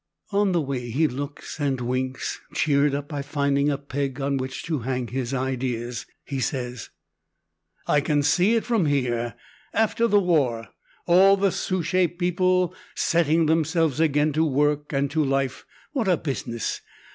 On the way, he looks and winks, cheered up by finding a peg on which to hang his ideas. He says "I can see it from here, after the war, all the Souchez people setting themselves again to work and to life what a business!